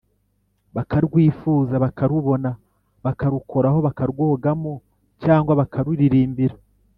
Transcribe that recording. bakarwifuza, bakarubona, bakarukoraho, bakarwogamo, cyangwa bakaruririmbira